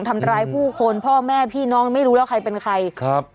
ทำร้ายผู้คนพ่อแม่พี่น้องไม่รู้แล้วใครเป็นใครครับ